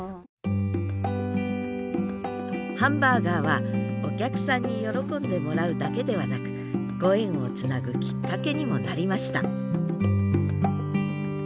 ハンバーガーはお客さんに喜んでもらうだけではなくご縁をつなぐきっかけにもなりました